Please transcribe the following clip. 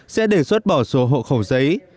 sẽ đề xuất bỏ sổ hộ khẩu giấy